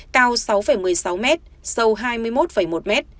cao sáu một mươi sáu m sâu hai mươi một một m